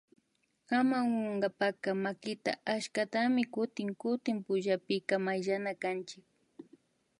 Ama unkunkapacka makita ashtami kutin kutin pullapika mayllanakanchik